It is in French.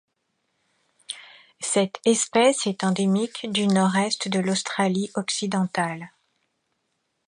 Cette espèce est endémique du Nord-Est de l'Australie-Occidentale.